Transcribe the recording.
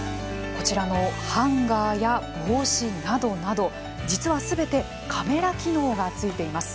こちらのハンガーや帽子などなど実はすべてカメラ機能がついています。